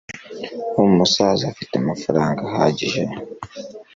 umusaza afite amafaranga ahagije